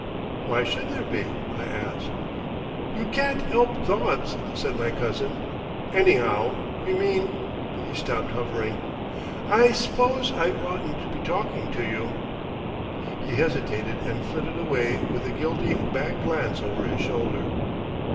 "Why should there be?" I asked. "You can't 'elp thoughts," said my cousin, "anyhow. You mean—" He stopped hovering. "I s'pose I oughtn't to be talking to you." He hesitated and flitted away with a guilty back glance over his shoulder....